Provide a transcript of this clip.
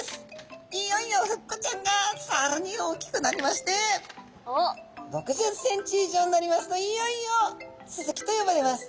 いよいよフッコちゃんがさらに大きくなりまして６０センチ以上になりますといよいよスズキと呼ばれます。